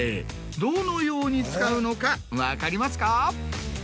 どのように使うのか分かりますか？